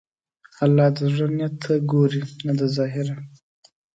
الله د زړه نیت ته ګوري، نه د ظاهره.